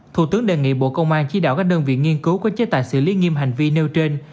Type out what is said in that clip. thủ tướng đề nghị bộ công an chỉ đạo các đơn vị nghiên cứu có chế tài xử lý nghiêm hành vi nêu trên